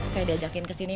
saya diadakin ke sini